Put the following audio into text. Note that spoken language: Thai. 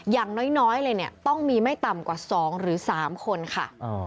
อย่างน้อยเลยเนี่ยต้องมีไม่ต่ำกว่า๒หรือ๓คนค่ะ